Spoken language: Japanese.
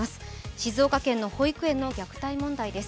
静岡県の保育園の虐待問題です。